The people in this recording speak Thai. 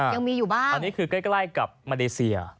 ยังมีอยู่บ้างอันนี้คือใกล้กับมาเลเซีย